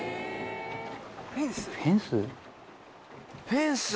フェンス？